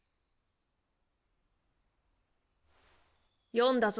読んだぞ。